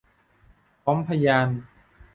พร้อมพยาน